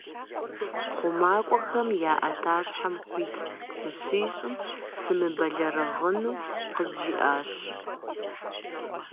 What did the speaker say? ХъумакӀуэхэм я Ӏэтащхьэм хуит сыщищӀым, сымыбэлэрыгъыну къызжиӀащ.